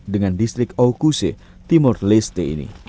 dengan distrik aukuse timur leste ini